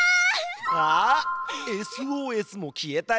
わＳＯＳも消えたよ。